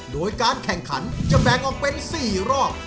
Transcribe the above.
โดยการแข่งขันจะแบ่งออกเป็น๔รอบ